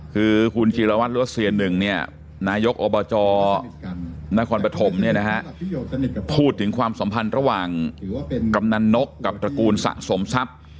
คือคุณจีรวัตรรัสเซีย๑นายกอบจนครปฐมพูดถึงความสัมพันธ์ระหว่างกำนักนกกับตระกูลสะสมทรัพย์